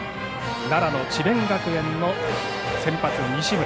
奈良智弁学園の先発、西村。